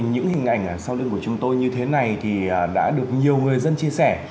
những hình ảnh sau đường của chúng tôi như thế này đã được nhiều người dân chia sẻ